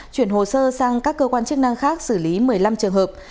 chuyển hồ sơ sang các cơ quan chức năng khác xử lý một mươi năm trường hợp